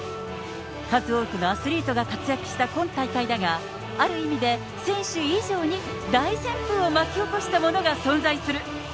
数多くのアスリートが活躍した今大会だが、ある意味で選手以上に大旋風を巻き起こしたものが存在する。